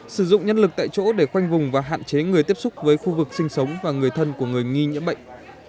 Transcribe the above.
sử dụng nhân lực tại chỗ để khoanh vùng và hạn chế người tiếp xúc với khu vực sinh sống và người thân của người nghi nhiễm bệnh